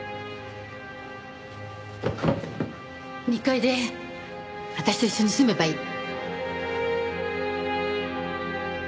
２階で私と一緒に住めばいい。